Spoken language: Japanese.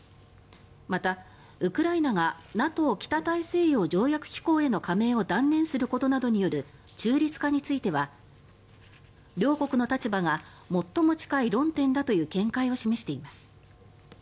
また、ウクライナがＮＡＴＯ・北大西洋条約機構への加盟を断念することなどによる中立化については両国の立場が最も近い論点だという見解を示しています。